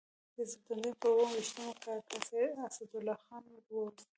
د سپټمبر پر اووه ویشتمه کاکا اسدالله خان ور ووست.